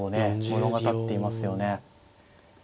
物語っていますよね。